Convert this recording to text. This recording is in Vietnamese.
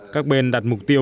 các bên đặt mục tiêu